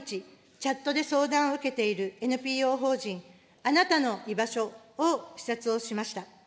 チャットで相談を受けているＮＰＯ法人あなたのいばしょを視察をしました。